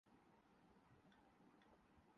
کہ قانون سازی اور شرعی فیصلوں کا اختیار ایسے لوگوں